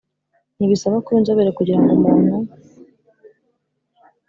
ntibisaba kuba inzobere kugira ngo umuntu